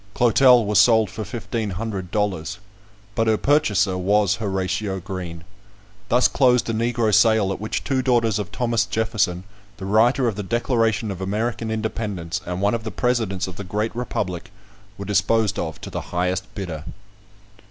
Clotel was sold for fifteen hundred dollars, but her purchaser was Horatio Green. Thus closed a Negro sale, at which two daughters of Thomas Jefferson, the writer of the Declaration of American Independence, and one of the presidents of the great republic, were disposed of to the highest bidder!